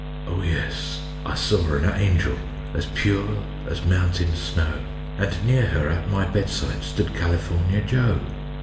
"Oh yes, I saw an angel As pure as mountain snow, And near her at my bedside Stood California Joe."